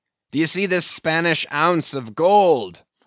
d'ye see this Spanish ounce of gold?"